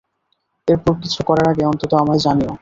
এরপর কিছু করার আগে অন্তত আমায় জানিও!